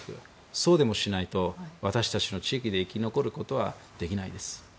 そうでもしないと私たちの地域で生き残ることはできないです。